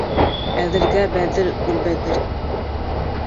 Әҙергә бәҙер Гөлбәҙер.